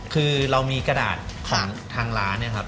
คือเรามีกระดาษของทางร้านเนี่ยครับ